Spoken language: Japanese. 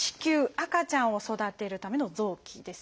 赤ちゃんを育てるための臓器ですよね。